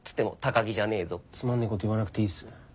つまんねえこと言わなくていいっす。